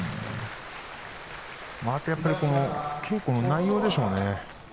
あと稽古の内容でしょうね。